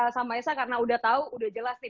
sama esa karena udah tahu udah jelas nih